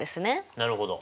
なるほど。